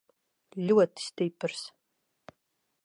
Ļoti stiprs.